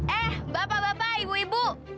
eh bapak bapak ibu ibu